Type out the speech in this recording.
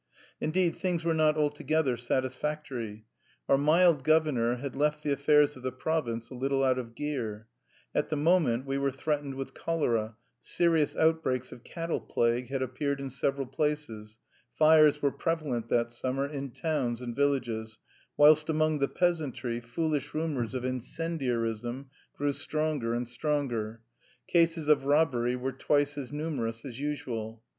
Indeed, things were not altogether satisfactory. Our mild governor had left the affairs of the province a little out of gear; at the moment we were threatened with cholera; serious outbreaks of cattle plague had appeared in several places; fires were prevalent that summer in towns and villages; whilst among the peasantry foolish rumours of incendiarism grew stronger and stronger. Cases of robbery were twice as numerous as usual.